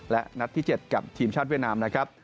และนัดที่๗กับทีมชาติเวียดนามนะครับ